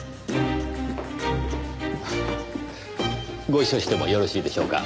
ご一緒してもよろしいでしょうか？